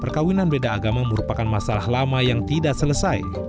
perkawinan beda agama merupakan masalah lama yang tidak selesai